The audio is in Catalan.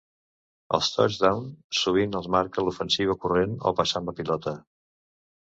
Els "touchdown" sovint els marca l'ofensiva corrent o passant la pilota.